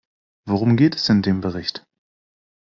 Worum geht es in dem Bericht?